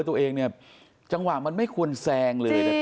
ตัวเองจังหว่างมันไม่ควรแซงเลย